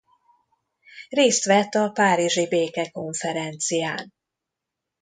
Részt vett a párizsi békekonferencián.